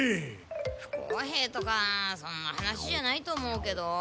不公平とかそんな話じゃないと思うけど。